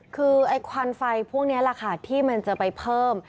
คือไอ้ควันไฟพวกนี้แหละค่ะที่มันจะไปเพิ่ม